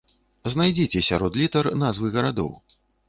Знайдзіце сярод літар назвы гарадоў.